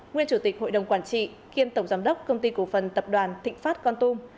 nguyên chủ tịch hội đồng quản trị kiêm tổng giám đốc công ty cổ phần tập đoàn thịnh pháp con tum